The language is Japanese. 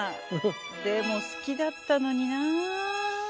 でも好きだったのにな」。